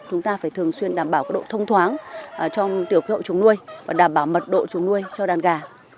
chúng ta phải thường xuyên đảm bảo độ thông thoáng cho tiểu khí hậu chuồng nuôi và đảm bảo mật độ chuồng nuôi cho đàn gà